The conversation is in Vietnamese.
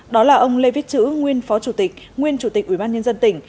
đó là ông lê viết chữ nguyên phó chủ tịch nguyên chủ tịch ủy ban nhân dân tỉnh